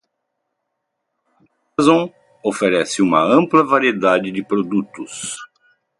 A Amazon oferece uma ampla variedade de produtos.